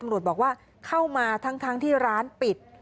บอกว่าเข้ามาทั้งที่ร้านปิด